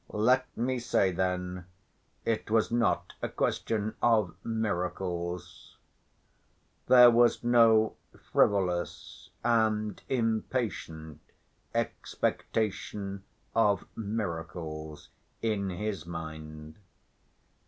Let me say then, it was not a question of miracles. There was no frivolous and impatient expectation of miracles in his mind.